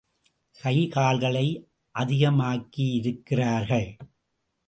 கை கால்களை அதிகமாக்கியிருக்கிறார்கள்.